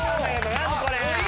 何これ？